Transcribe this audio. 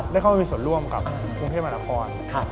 ได้เข้ามามีส่วนร่วมกับกรุงเทพมหานคร